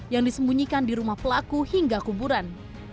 yang disembunyikan di rumah pelaku hingga kuburan